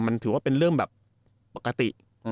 มันถือว่าเป็นเรื่องแบบปกติ